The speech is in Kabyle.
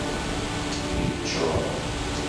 Yeččur.